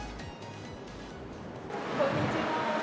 こんにちは。